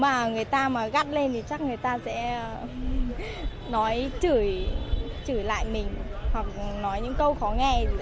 mà người ta mà gắt lên thì chắc người ta sẽ nói chửi lại mình hoặc nói những câu khó nghe